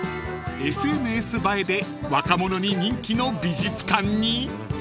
［ＳＮＳ映えで若者に人気の美術館に］